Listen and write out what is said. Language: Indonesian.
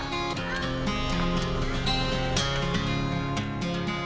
semoga mersani bisa menjaga keamanan dan keamanan di jawa tenggara